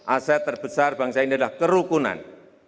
aset terbesar bangsa ini adalah kerukunan